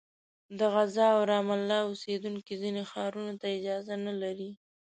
د غزه او رام الله اوسېدونکي ځینو ښارونو ته اجازه نه لري.